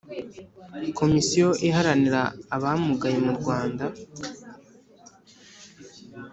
Komisiyo iharanira abamugaye mu rwanda